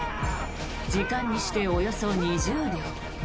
時間にしておよそ２０秒。